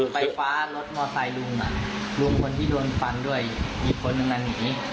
ไปฟ้ารถมอสไซล์ลุงลุงคนที่โดนฟันด้วยอีกคนหนึ่งหนังหนี